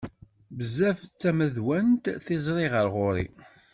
Bezzaf d tamadwant tiẓri ɣer ɣur-i.